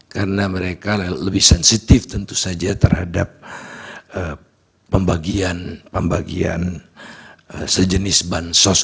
karena mereka lebih sensitif tentu saja terhadap pembagian sejenis bansos